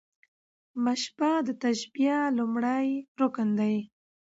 مشبه د تشبېه لومړی رکن دﺉ.